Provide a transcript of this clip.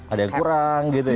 ada yang kurang gitu ya